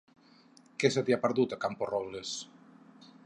Què se t'hi ha perdut, a Camporrobles?